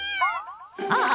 あっ！